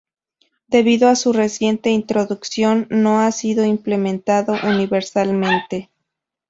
Debido a su reciente introducción, no ha sido implementado universalmente.